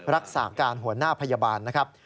รักษาการหัวหน้าพยาบาลนะครับ